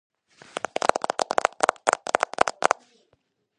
ქალაქს ემსახურება ასმერის საერთაშორისო აეროპორტი.